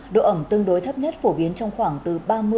độ ẩm tương đối thấp nhất phổ biến trong khoảng từ ba mươi năm mươi